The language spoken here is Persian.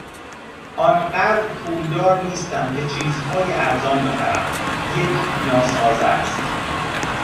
آنقدر پولدار نیستم که چیزهای ارزان بخرم یک ناسازه است.